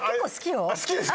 好きですか。